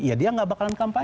ya dia tidak akan berkampanye